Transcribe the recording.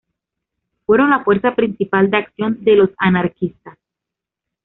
Fueron la fuerza principal de acción de los anarquistas.